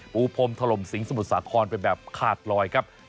ปูพรมถล่มสิงสมุทรสาครไปแบบขาดลอยครับ